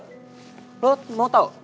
lo mau tau kenapa gue sampe mangap kayak gitu